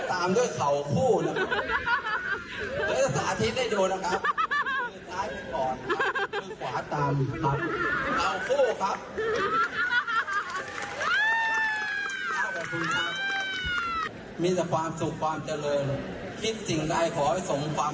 แต่อีกอย่างนึงอย่าคิดว่าจะมีแมวน้อยนะครับ